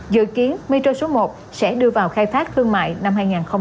dự kiến metro số một sẽ đưa vào khai phát thương mại năm hai nghìn hai mươi ba